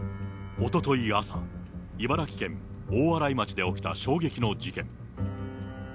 おととい朝、茨城県大洗町で起きた衝撃の事件。